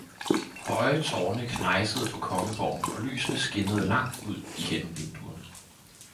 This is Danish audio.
høje tårne knejsede på kongeborgen, og lysene skinnede langt ud igennem vinduerne.